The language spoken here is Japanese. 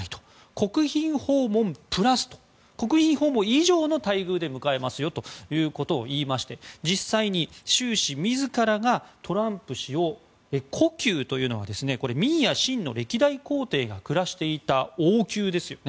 国賓訪問プラスと国賓訪問以上の待遇で迎えますよということを言いまして実際に習氏自らがトランプ氏を故宮というのは明や清の歴代皇帝が暮らしていた王宮ですよね。